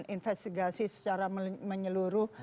investigasi secara menyeluruh